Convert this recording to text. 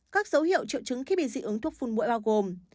các dấu hiệu triệu chứng khi bị dị ứng thuốc phun mũi bao gồm